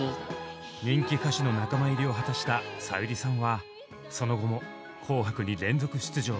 人気歌手の仲間入りを果たしたさゆりさんはその後も「紅白」に連続出場。